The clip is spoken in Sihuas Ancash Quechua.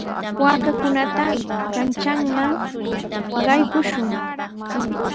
Waakakunata kanchanman qaykushun.